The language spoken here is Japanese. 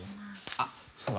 あっそうだ。